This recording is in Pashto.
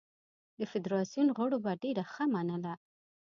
د فدراسیون غړو به ډېره ښه منله.